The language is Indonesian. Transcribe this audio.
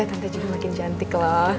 tante juga makin cantik lah